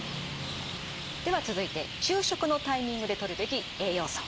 では続いて昼食のタイミングでとるべき栄養素。